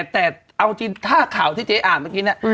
แต่เอาจริงถ้าข่าวที่เจ๊อ่านเมื่อกี้เนี่ย